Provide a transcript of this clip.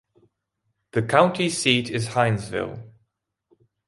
The county seat is Hinesville.